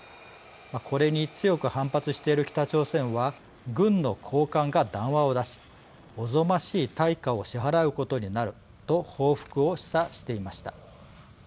これに強く反発している北朝鮮は軍の高官が談話を出し「おぞましい対価を支払うことになる」と報復を示唆していました。